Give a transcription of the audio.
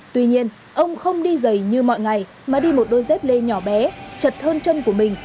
tuy nhiên ông không đi dày như mọi ngày mà đi một đôi dép lê nhỏ bé chật hơn chân của mình